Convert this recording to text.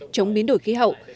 chống biến đổi khí hậu